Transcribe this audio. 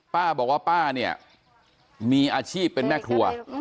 ป้าบอกว่าป้าเนี่ยมีอาชีพเป็นแม่ครัว